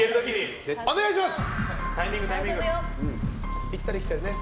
お願いします！